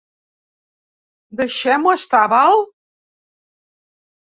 Deixem-ho estar, val?